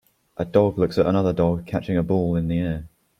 A dog looks at another dog catching a ball in the air